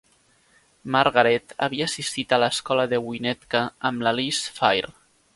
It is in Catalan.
Margaret havia assistit a l'escola de Winnetka amb la Liz Phair.